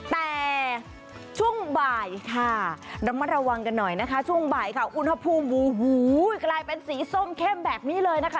แต่ช่วงบ่ายค่ะระมัดระวังกันหน่อยนะคะช่วงบ่ายค่ะอุณหภูมิกลายเป็นสีส้มเข้มแบบนี้เลยนะคะ